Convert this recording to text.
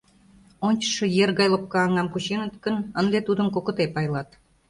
Ончычшо ер гай лопка аҥам кученыт гын, ынде тудым кокыте пайлат.